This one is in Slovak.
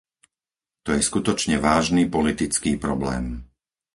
To je skutočne vážny politický problém.